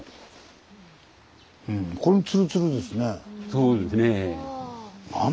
そうですね。